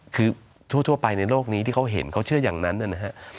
คือทั่วไปในโลกนี้ที่เขาเห็นเขาเชื่ออย่างนั้นนะครับ